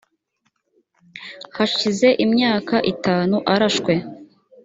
hashize imyaka itanu arashwe